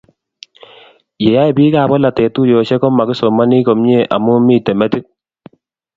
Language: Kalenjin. Ye yae biikab bolatet tuyosiek ko makisomani komie amu mitei metit